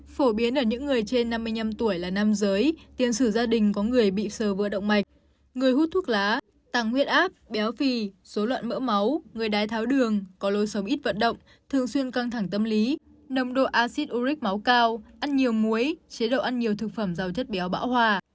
phổ biến ở những người trên năm mươi năm tuổi là nam giới tiền sử gia đình có người bị sờ vừa động mạch người hút thuốc lá tăng huyết áp béo phì số loạn mỡ máu người đái tháo đường có lối sống ít vận động thường xuyên căng thẳng tâm lý nồng độ acid uric máu cao ăn nhiều muối chế độ ăn nhiều thực phẩm giàu chất béo bão hòa